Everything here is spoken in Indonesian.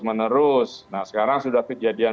menerus nah sekarang sudah kejadian